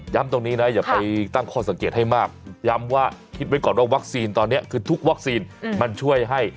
ตรงนี้นะอย่าไปตั้งข้อสังเกตให้มากย้ำว่าคิดไว้ก่อนว่าวัคซีนตอนนี้คือทุกวัคซีนมันช่วยให้